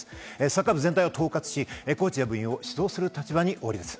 サッカー部全体を統括し、コーチや部員を指導する立場にあります。